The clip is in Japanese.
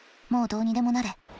もうどうにでもなれ。